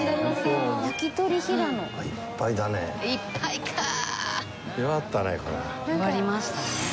よわりましたね。